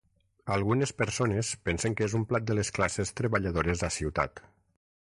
Algunes persones pensen que és un plat de les classes treballadores a ciutat.